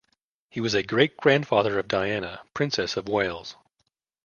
He was a great-grandfather of Diana, Princess of Wales.